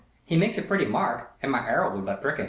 He makes a pretty mark, and my arrow would but prick him?"